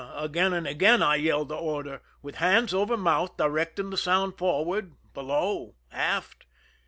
Again and again I yelled the order, with hands over mouth, directing the sound forward, below, aft.